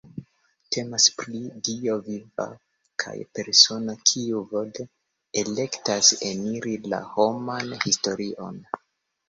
Temas pri Dio viva kaj persona kiu vole elektas eniri la homan historion.